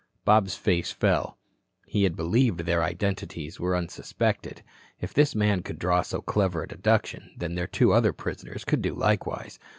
Bob's face fell. He had believed their identities were unsuspected. If this man could draw so clever a deduction, then their two other prisoners could do likewise.